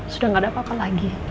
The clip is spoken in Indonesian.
sudah tidak ada apa apa lagi